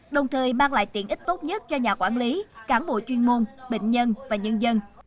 đồng thời mang lại tiện ích tốt nhất cho nhà quản lý cán bộ chuyên môn bệnh nhân và nhân dân